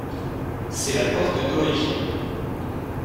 C'est la porte d'origine.